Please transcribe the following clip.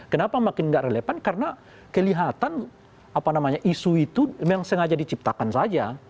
kenapa makin nggak relevan karena kelihatan apa namanya isu itu memang sengaja diciptakan saja